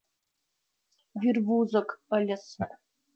Вӱрвузык ыльыс.